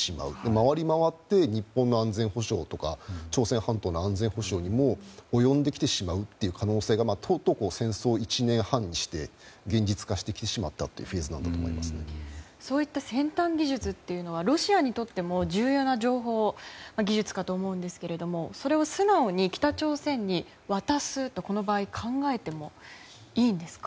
回りまわって日本の安全保障とか朝鮮半島の安全保障にも及んできてしまう可能性がとうとう戦争１年半にして現実化してきてしまったという先端技術というのはロシアにとっても重要な情報や技術だと思いますがそれを素直に北朝鮮に渡すとこの場合は考えてもいいんですか。